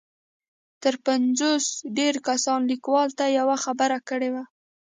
تر پنځوس ډېرو کسانو ليکوال ته يوه خبره کړې ده.